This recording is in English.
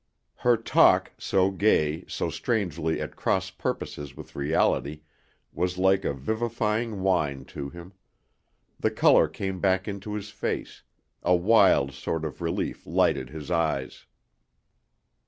Her talk, so gay, so strangely at cross purposes with reality, was like a vivifying wine to him. The color came back into his face; a wild sort of relief lighted his eyes.